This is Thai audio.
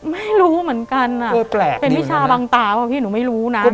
ไม่รู้เหมือนกันเป็นวิชาบางตาป่ะพี่หนูไม่รู้นะ